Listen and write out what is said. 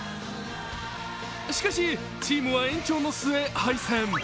しかし、チームは延長の末、敗戦。